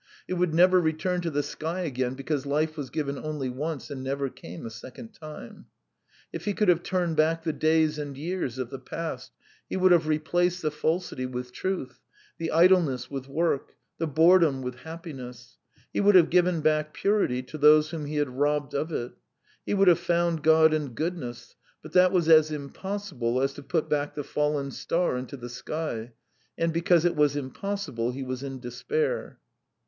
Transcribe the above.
It would never return to the sky again, because life was given only once and never came a second time. If he could have turned back the days and years of the past, he would have replaced the falsity with truth, the idleness with work, the boredom with happiness; he would have given back purity to those whom he had robbed of it. He would have found God and goodness, but that was as impossible as to put back the fallen star into the sky, and because it was impossible he was in despair.